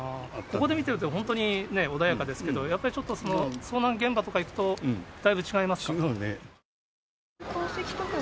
ここで見ていると、本当に穏やかですけど、やっぱりちょっと遭難現場とか行くと、だいぶ違いますか？